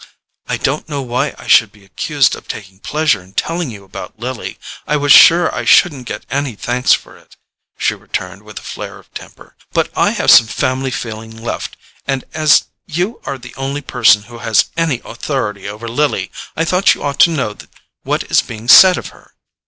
"I don't know why I should be accused of taking pleasure in telling you about Lily. I was sure I shouldn't get any thanks for it," she returned with a flare of temper. "But I have some family feeling left, and as you are the only person who has any authority over Lily, I thought you ought to know what is being said of her."